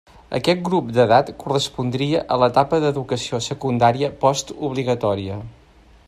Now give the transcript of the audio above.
Aquest grup d'edat correspondria a l'etapa d'educació secundària post obligatòria.